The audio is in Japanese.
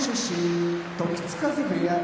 時津風部屋